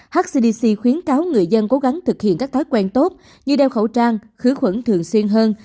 hcdc khuyến cáo người dân cố gắng thực hiện các thói quen tốt như đeo khẩu trang khử khuẩn thường xuyên hơn